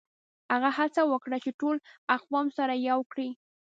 هغه هڅه وکړه چي ټول اقوام سره يو کړي.